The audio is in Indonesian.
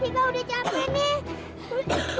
kita udah capek nih